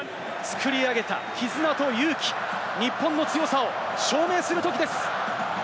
作り上げた絆と勇氣、日本の強さを証明するときです。